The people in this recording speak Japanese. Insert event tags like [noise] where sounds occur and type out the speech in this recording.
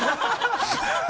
ハハハ [laughs]